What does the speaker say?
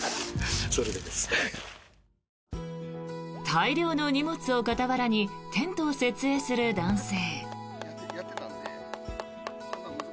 大量の荷物を傍らにテントを設営する男性。